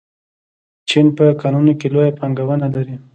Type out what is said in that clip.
چین په کانونو کې لویه پانګونه لري.